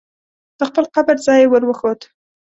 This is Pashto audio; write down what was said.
د خپل قبر ځای یې ور وښود.